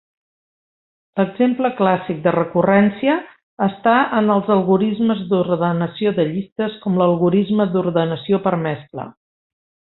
L'exemple clàssic de recurrència està en els algorismes d'ordenació de llistes com l'algorisme d'ordenació per mescla.